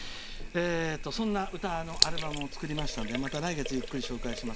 そんな歌のアルバムを作りましたので、また来月ゆっくり紹介します。